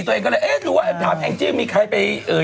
ให้เราออกข้างนอกเหลือไม่เป็นอะไร